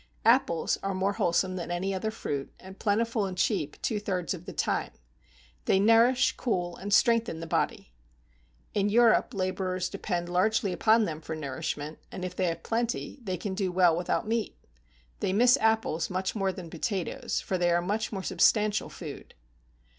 Apples are more wholesome than any other fruit, and plentiful and cheap two thirds of the time; they nourish, cool, and strengthen the body. In Europe laborers depend largely upon them for nourishment, and if they have plenty, they can do well without meat. They miss apples much more than potatoes, for they are much more substantial food.